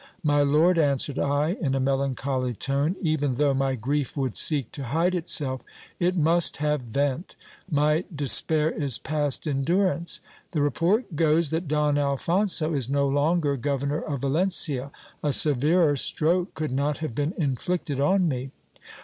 My lord, answered I, in a melancholy tone, even though my grief would seek to hide itself, it must have vent : my despair is past endurance The roort goes that Don Alphonso is no longer Governor of Yalencia ; a severer stroke could not have been inflicted on me.